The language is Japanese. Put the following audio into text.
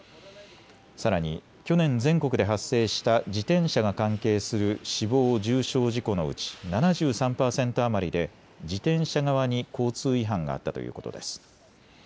さらに去年、全国で発生した自転車が関係する死亡・重傷事故のうち７３％余りで自転車側に交通違反があったということです。